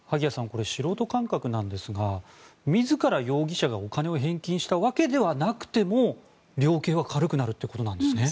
これ、素人感覚なんですが自ら容疑者がお金を返金したわけではなくても量刑は軽くなるということなんですね。